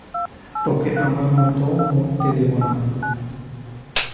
তোকে আমার মতো মরতে দেবো না।